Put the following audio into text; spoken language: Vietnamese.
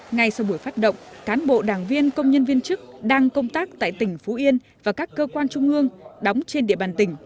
ngay sau buổi phát động cán bộ đảng viên công nhân viên chức đang công tác tại tỉnh phú yên và các cơ quan trung ương đóng trên địa bàn tỉnh